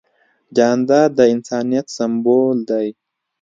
جانداد د انسانیت سمبول دی.